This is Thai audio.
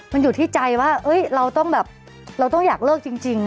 มันอยู่ที่ใจว่าเราต้องแบบเราต้องอยากเลิกจริง